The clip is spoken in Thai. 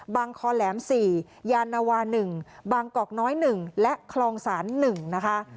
คอแหลม๔ยานวา๑บางกอกน้อย๑และคลองศาล๑นะคะ